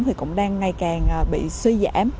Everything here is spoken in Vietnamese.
thì cũng đang ngày càng bị suy giảm